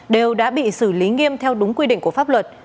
đều đã bị xử lý nghiêm theo đúng quy định của pháp luật